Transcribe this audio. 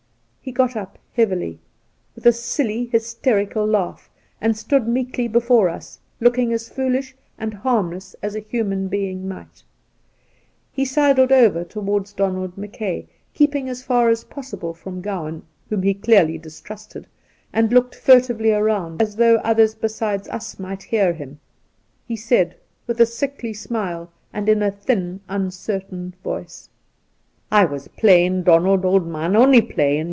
He got up heavily, with a sUly, hysterical laugh, and stood meekly before us, looking as foolish and harmless as a human being might. He sidled over towards Donald Mackay, keeping as far as possible from Gowan, whom he clearly distrusted, and looking furtively about, as though others besides us might hear him, he said, with a sickly smile and in a thin, uncertain voice : 'I was playin', Donald, old man, only playin'.